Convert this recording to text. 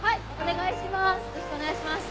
よろしくお願いします。